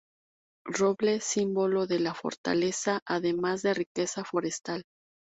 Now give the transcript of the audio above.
Roble: símbolo de la fortaleza, además de riqueza forestal.